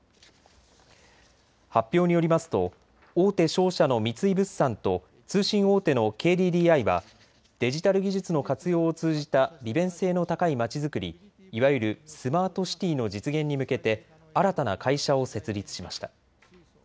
発表によりますと大手商社の三井物産と通信大手のＫＤＤＩはデジタル技術の活用を通じた利便性の高い街づくりいわゆるスマートシティーの実現に向けて新たな会社を設立しました。